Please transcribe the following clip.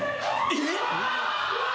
えっ？